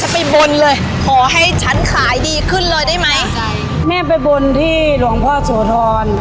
ไปบนเลยขอให้ฉันขายดีขึ้นเลยได้ไหมใช่แม่ไปบนที่หลวงพ่อโสธร